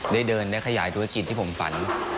ได้เดินได้ขยายธุรกิจที่ผมฝัน